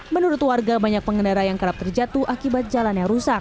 menurut warga banyak pengendara yang kerap terjatuh akibat jalan yang rusak